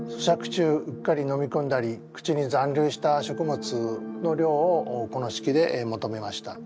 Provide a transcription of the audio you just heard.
中うっかり飲み込んだり口に残留した食物の量をこの式で求めました。